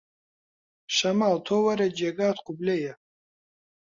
شەماڵ تۆ وەرە جێگات قوبلەیە